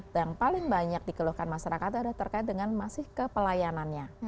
dan paling banyak dikeluhkan masyarakat adalah terkait dengan masih kepelayanannya